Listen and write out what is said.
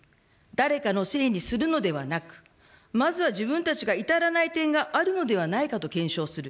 誰かのせいにするのではなく、まずは自分たちが至らない点があるのではないかと検証する。